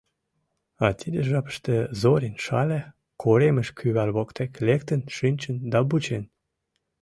А тиде жапыште Зорин Шале коремыш кӱвар воктек лектын шинчын да вучен.